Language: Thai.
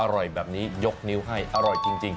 อร่อยแบบนี้ยกนิ้วให้อร่อยจริง